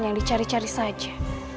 yang dicari cari saja